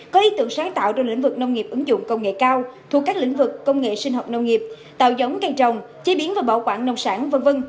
có ý tưởng sáng tạo trong lĩnh vực nông nghiệp ứng dụng công nghệ cao thuộc các lĩnh vực công nghệ sinh học nông nghiệp tạo giống cây trồng chế biến và bảo quản nông sản v v